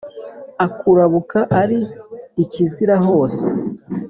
ukarabuka, ari ikizira hose